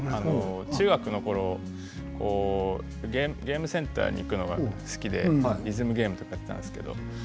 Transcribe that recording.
中学のころゲームセンターに行くのが好きで、リズムゲームとかやっていたんですけど